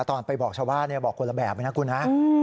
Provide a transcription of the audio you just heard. ตอนไปบอกชาวบ้านบอกคนละแบบเลยนะคุณฮะ